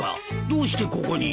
どうしてここに？